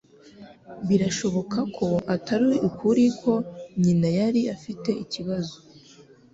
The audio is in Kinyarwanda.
Birashoboka ko atari ukuri ko nyina yari afite ikibazo.